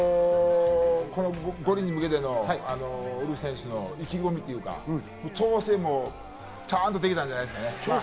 五輪に向けてのウルフ選手の意気込みというか、調整もちゃんとできたんじゃないですかね。